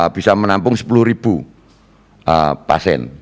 bisa menampung sepuluh pasien